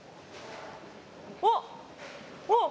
おっおっ！